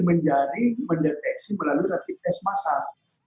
menjadi mendeteksi melalui rapid test massal